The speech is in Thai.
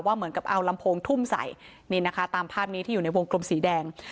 เหมือนกับเอาลำโพงทุ่มใส่นี่นะคะตามภาพนี้ที่อยู่ในวงกลมสีแดง